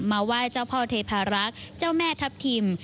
มาไหว้เจ้าพ่อเทพารักษ์เจ้าแม่ทัพทิม